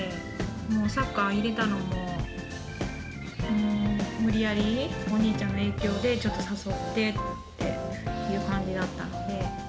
サッカー入れたのも、無理やり、お兄ちゃんの影響でちょっと誘ってっていう感じだったので。